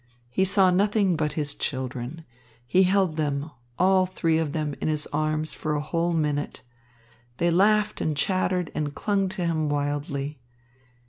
He saw nothing but his children. He held them, all three of them, in his arms for a whole minute. They laughed and chattered and clung to him wildly.